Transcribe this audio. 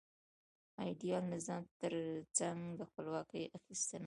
د ایډیال نظام ترڅنګ د خپلواکۍ اخیستنه.